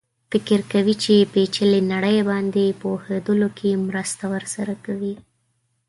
فکر کوي چې پېچلې نړۍ باندې پوهېدلو کې مرسته ورسره کوي.